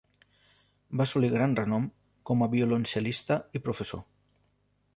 Va assolir gran renom com a violoncel·lista i professor.